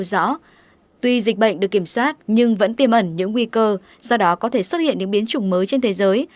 dịch bệnh được kiểm soát nhưng vẫn tiềm ẩn những nguy cơ do đó có thể xuất hiện những biến chủng mới trên thế giới